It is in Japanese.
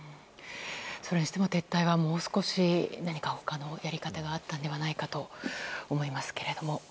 それにしても撤退はもう少し何か他のやり方があったのではないかと思いますけれども。